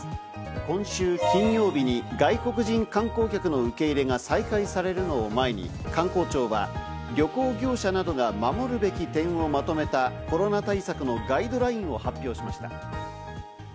今週金曜日に外国人観光客の受け入れが再開されるの前に、観光庁は旅行業者などが守るべき点をまとめたコロナ対策のガイドラインを発表しました。